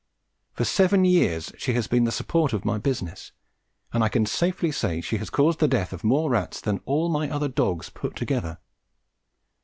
For seven years she has been the support of my business, and I can safely say she has caused the death of more rats than all my other dogs put together.